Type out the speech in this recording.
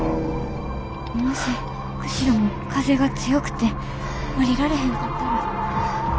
もし釧路も風が強くて降りられへんかったら。